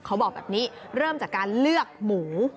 เขาบอกแบบนี้เริ่มจากการเลือกหมู